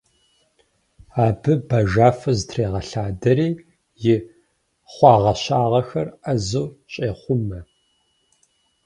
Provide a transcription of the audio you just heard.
Абы бажафэ зытрегъэлъадэри и хъуагъэщагъэхэр ӏэзэу щӏехъумэ.